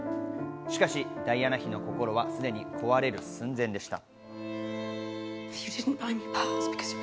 しかし、ダイアナ妃の心はすでに壊れる寸前でした。